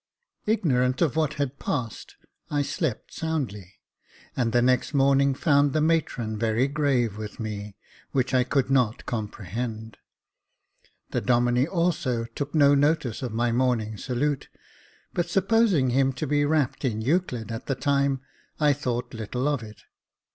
Ignorant of what had passed, I slept soundly , and the next morning found the matron very grave with me, which I could not comprehend. The Domine also took no notice of my morning salute : but supposing him to be wrapt in Euclid at the time, I thought little of it.